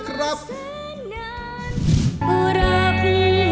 ขอบคุณค่ะ